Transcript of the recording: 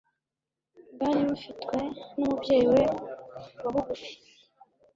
bwari bufitwe n'umubyeyi we wa bugufi.